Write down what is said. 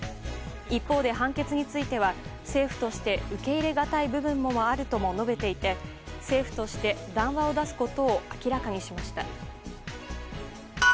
一方で判決については政府として受け入れがたい部分もあるとも述べていて政府として談話を出すことを明らかにしました。